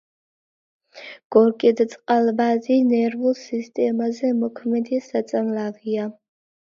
გოგირდწყალბადი ნერვულ სისტემაზე მოქმედი საწამლავია.